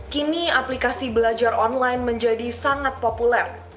kini aplikasi belajar online menjadi sangat populer